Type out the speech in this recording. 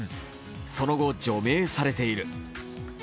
その後、除名されている。